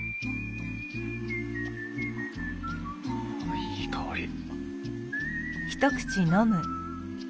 あいい香り。